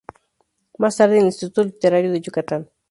Más tarde en el Instituto Literario de Yucatán.